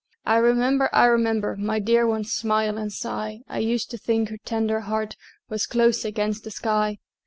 I remember, I remember, My dear one's smile and sigh; I used to think her tender heart Was close against the sky.